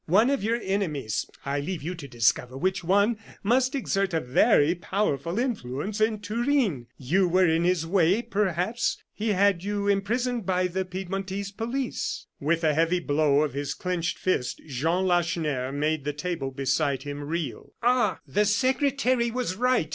One of your enemies I leave you to discover which one must exert a very powerful influence in Turin. You were in his way, perhaps; he had you imprisoned by the Piedmontese police.'" With a heavy blow of his clinched fist, Jean Lacheneur made the table beside him reel. "Ah! the secretary was right!"